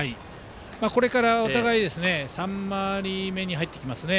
これからお互い３回り目に入ってきますね。